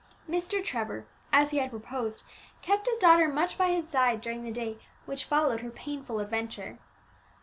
Mr. Trevor, as he had proposed, kept his daughter much by his side during the day which followed her painful adventure.